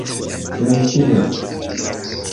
Mi finis.